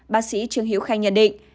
bác sĩ trương hiễu khanh nhận định